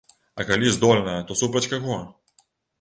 А калі здольная, то супраць каго?